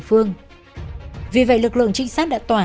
phương vì vậy lực lượng trinh sát đã tỏa